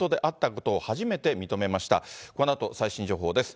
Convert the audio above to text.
このあと、最新情報です。